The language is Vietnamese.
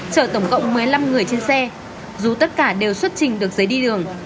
chở tổng cộng một mươi năm người trên xe dù tất cả đều xuất trình được giấy đi đường